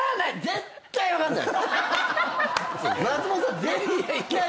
絶対分からない！